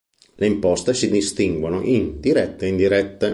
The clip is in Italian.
Le imposte si distinguono in dirette e indirette.